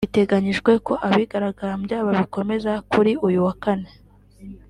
Biteganyijwe ko abigaragambya babikomeza kuri uyu kane